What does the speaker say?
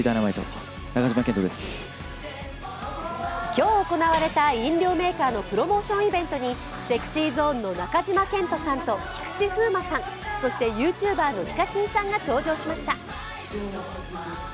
今日、行われた飲料メーカーのプロモーションイベントにＳｅｘｙＺｏｎｅの中島健人と菊池風磨さん、そしてＹｏｕＴｕｂｅｒのＨＩＫＡＫＩＮさんが登場しました。